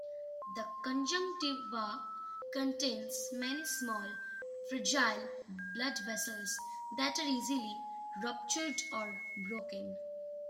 The conjunctiva contains many small, fragile blood vessels that are easily ruptured or broken.